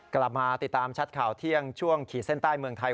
กลับมาติดตามชัดข่าวเที่ยงช่วงขีดเส้นใต้เมืองไทย